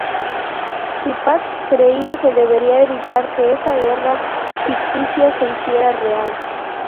Tupac creía que debería evitar que esa guerra ficticia se hiciera real.